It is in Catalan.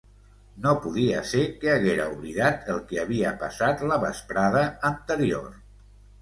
No podia ser que haguera oblidat el que havia passat la vesprada anterior.